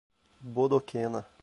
Bodoquena